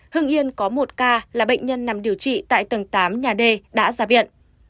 hưng yên có một ca là bệnh nhân nằm điều trị tại tầng tám nhà d đã ra viện